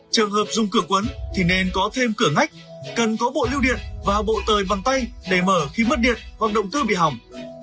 trường hợp dùng cửa quấn thì nên có thêm cửa ngách cần có bộ lưu điện và bộ tời bằng tay để mở khi mất điện hoặc động tư bị hỏng